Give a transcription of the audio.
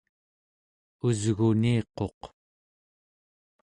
usguniquq